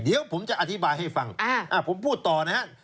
เดี๋ยวผมจะอธิบายให้ฟังผมพูดต่อนะฮะ